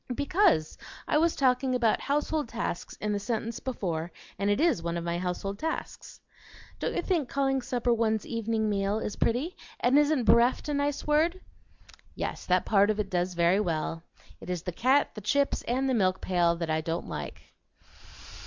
"Because I was talking about 'household tasks' in the sentence before, and it IS one of my household tasks. Don't you think calling supper 'one's evening meal' is pretty? and isn't 'bereft' a nice word?" "Yes, that part of it does very well. It is the cat, the chips, and the milk pail that I don't like."